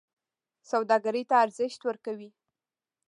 سوداګرۍ ته ارزښت ورکوي.